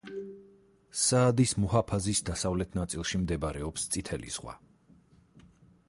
საადის მუჰაფაზის დასავლეთ ნაწილში მდებარეობს წითელი ზღვა.